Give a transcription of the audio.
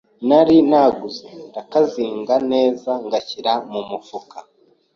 nari naguze ndakazinga neza ngashyira mu mufuka